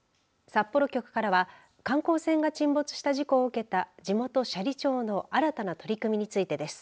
札幌局からは観光船が沈没した事故を受けた地元、斜里町の新たな取り組みについてです。